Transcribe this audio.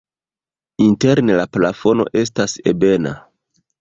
Interne la plafono estas ebena.